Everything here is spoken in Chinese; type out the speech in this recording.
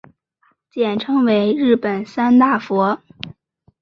简称为日本三大佛。